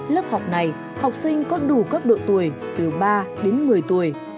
lớp học này học sinh có đủ các độ tuổi từ ba đến một mươi tuổi